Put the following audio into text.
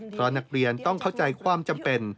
เพราะนักเรียนต้องเข้าใจความจำเป็น